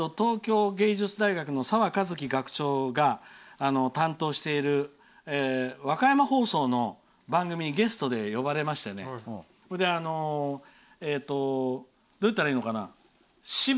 東京藝術大学の澤和樹学長が担当している和歌山放送の番組にゲストで呼ばれましてどういったらいいのかな。